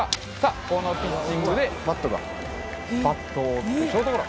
このピッチングでバットを折ってショートゴロ。